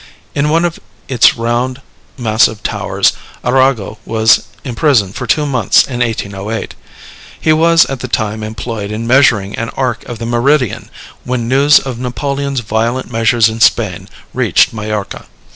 In one of its round, massive towers, Arago was imprisoned for two months in 1808. He was at the time employed in measuring an arc of the meridian, when news of Napoleon's violent measures in Spain reached Majorca.